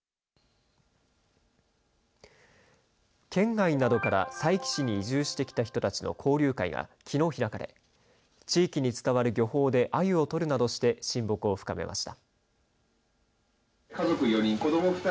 県外などから佐伯市に移住してきた人たちの交流会がきのう開かれ地域に伝わる漁法でアユを取るなどして親睦を深めました。